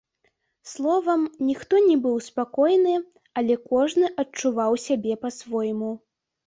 Словам, ніхто не быў спакойны, але кожны адчуваў сябе па-свойму.